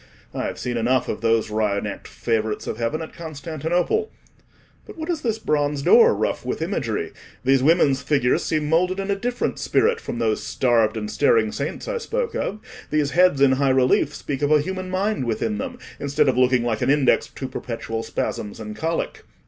I have seen enough of those wry necked favourites of heaven at Constantinople. But what is this bronze door rough with imagery? These women's figures seem moulded in a different spirit from those starved and staring saints I spoke of: these heads in high relief speak of a human mind within them, instead of looking like an index to perpetual spasms and colic."